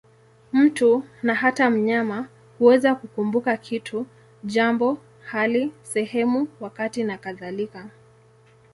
Mtu, na hata mnyama, huweza kukumbuka kitu, jambo, hali, sehemu, wakati nakadhalika.